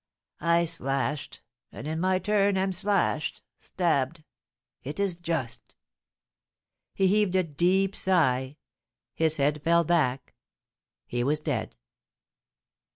I slashed and in my turn am slashed stabbed. It is just." He heaved a deep sigh his head fell back he was dead.